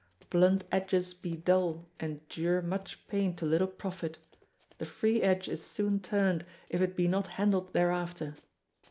Blunt edges be dull and dure much pain to little profit; the free edge is soon turned if it be not handled thereafter.